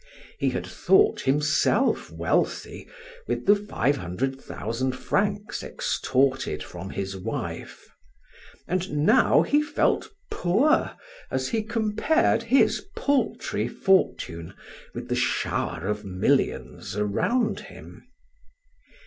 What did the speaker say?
He had thought himself wealthy with the five hundred thousand francs extorted from his wife, and now he felt poor as he compared his paltry fortune with the shower of millions around him.